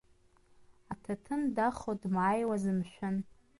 Аҭаҭын дахо дмааиуаз, мшәан!